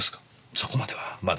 そこまではまだ。